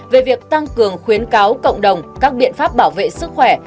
về việc tăng cường khuyến cáo cộng đồng các biện pháp bảo vệ sức khỏe